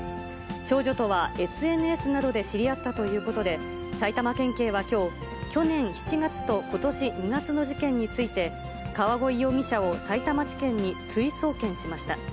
少女とはＳＮＳなどで知り合ったということで、埼玉県警はきょう、去年７月とことし２月の事件について、川鯉容疑者をさいたま地検に追送検しました。